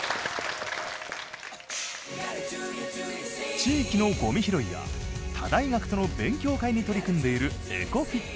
地域のゴミ拾いや他大学との勉強会に取り組んでいるエコＦＩＴ。